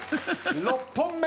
６本目。